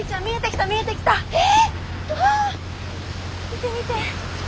見て見て。